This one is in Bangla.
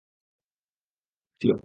এটা সারপ্রাইজ ছিল!